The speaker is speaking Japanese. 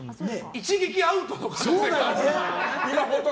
一撃アウトの可能性が。